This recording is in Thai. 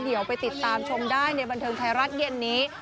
เดี๋ยวไปติดตามชมได้ในบันเทิงไทยรัฐเย็นนี้